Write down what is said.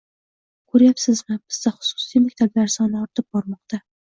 Ko'ryapsizmi, bizda xususiy maktablar soni ortib bormoqda